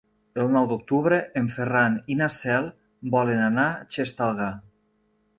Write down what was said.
El nou d'octubre en Ferran i na Cel volen anar a Xestalgar.